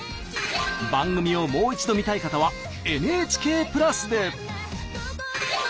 番組をもう一度見たい方はＮＨＫプラスで。